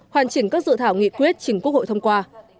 hoàn chỉnh các dự thảo nghị quyết chỉnh quốc hội thông qua